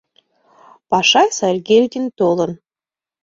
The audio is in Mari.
Пашай Сайгельдин толын.